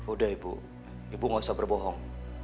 udah ibu ibu nggak usah berbohong